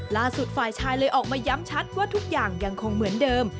ฝ่ายชายเลยออกมาย้ำชัดว่าทุกอย่างยังคงเหมือนเดิม